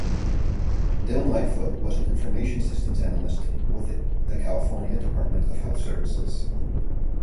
Dillon Lightfoot was an information systems analyst with the California Department of Health Services.